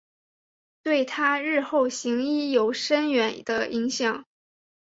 对她日后行医有深远的影响。